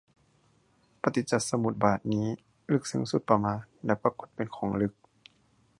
ปฏิจจสมุบาทนี้ ลึกซึ้งสุดประมาณและปรากฏเป็นของลึก